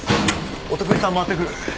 お得意さん回ってくる。